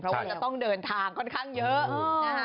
เพราะว่าจะต้องเดินทางค่อนข้างเยอะนะคะ